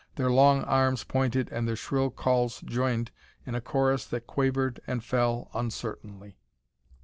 Their long arms pointed and their shrill calls joined in a chorus that quavered and fell uncertainly.